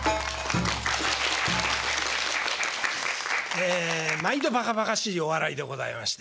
え毎度ばかばかしいお笑いでございまして。